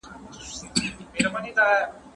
مثبت فکر د ژوند په هر حالت کي مو خوشحاله ساتي.